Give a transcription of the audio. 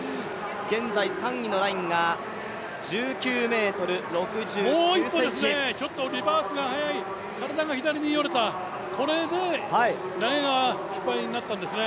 現在３位のラインがもう一歩、リバースが速い、体が左によれた、これで投げが失敗になったんですね。